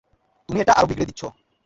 তুমি এটা আরও বিগড়ে দিচ্ছ।